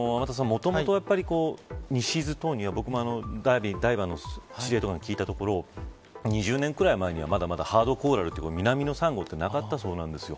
もともと西伊豆等に僕もダイバーの人に聞いたところ２０年ぐらい前にはまだまだハードコーラルという南のサンゴってなかったそうなんですよ。